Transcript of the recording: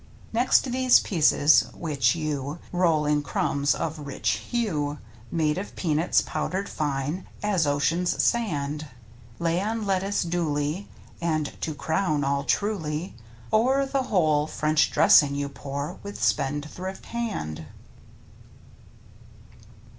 Next these pieces (which you Roll in crumbs of rich hue, Made of peanuts powdered fine as ocean's sand,) Lay on lettuce duly. And to crown all truly O'er the whole French dressing you pour with spendthrift hand.